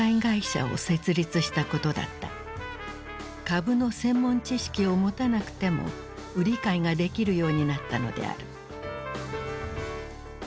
株の専門知識を持たなくても売り買いができるようになったのである。